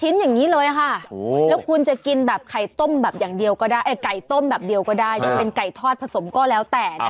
แล้วคุณจะกินแบบไก่ต้มแบบเดียวก็ได้ยังเป็นไก่ทอดผสมก็แล้วแต่นะคะ